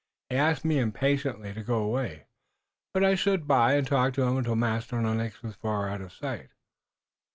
He asked me impatiently to go away, but I stood by and talked to him until Master Lennox was far out of sight."